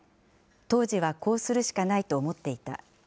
当時はこうするしかないと思っていた。